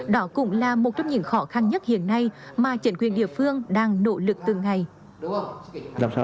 đó cũng là một trong những khó khăn nhất hiện nay mà chính quyền địa phương đang nỗ lực từng ngày